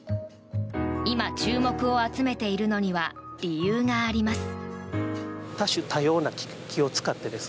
今、注目を集めているのには理由があります。